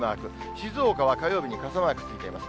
静岡は火曜日に傘マークついています。